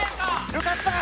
よかった。